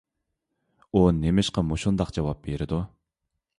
ئۇ نېمىشقا مۇشۇنداق جاۋاب بېرىدۇ؟